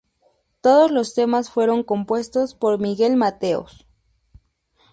Todos los temas fueron compuestos por Miguel Mateos.